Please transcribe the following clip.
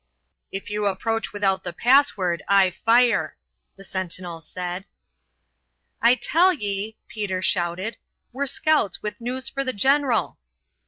"If you approach without the password I fire," the sentinel said. "I tell ye," Peter shouted, "we're scouts with news for the general."